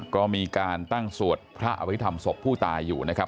ก็มีการตั้งสวดพระอภิษฐรรมศพผู้ตายอยู่นะครับ